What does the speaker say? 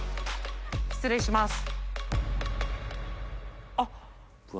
失礼します。